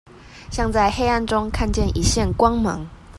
像在黑暗中看見一線光芒